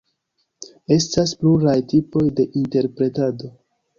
Estas pluraj tipoj de interpretado.